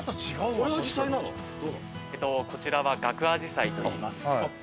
こちらはガクアジサイといいます。